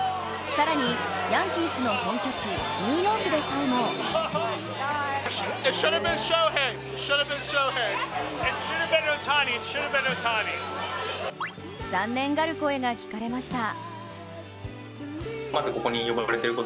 更に、ヤンキースの本拠地ニューヨークでさえも残念がる声が聞かれました。